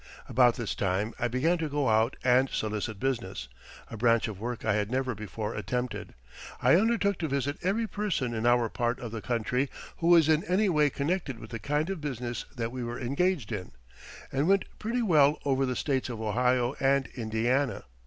About this time I began to go out and solicit business a branch of work I had never before attempted. I undertook to visit every person in our part of the country who was in any way connected with the kind of business that we were engaged in, and went pretty well over the states of Ohio and Indiana.